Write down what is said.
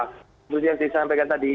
seperti yang saya sampaikan tadi